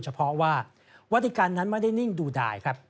เฉพาะว่าวัตติการนั้นไม่ได้นิ่งดูดายครับ